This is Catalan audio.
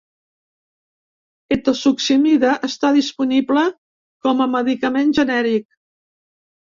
Etosuximida està disponible com a medicament genèric.